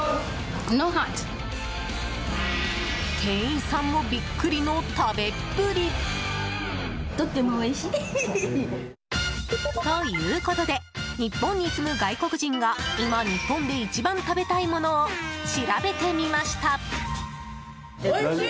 店員さんもビックリの食べっぷり。ということで日本に住む外国人が今、日本で一番食べたいものを調べてみました。